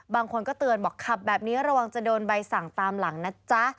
บางคนก็เตือนบอกขับแบบนี้ระวังจะโดนใบสั่งตามหลังนะจ๊ะ